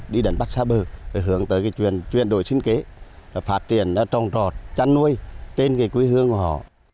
đi đẩn bắt xa bờ hướng tới chuyển đổi sinh kế phát triển trong trò chăn nuôi trên quê hương của họ